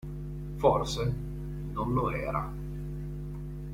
Forse, non lo era.